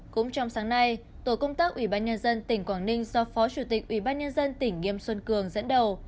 cũng trong sáng nay tổ công tác ubnd tỉnh quảng ninh do phó chủ tịch ubnd tỉnh nghiêm xuân cường dẫn đầu